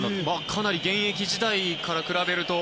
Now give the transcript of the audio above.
かなり現役時代から比べると。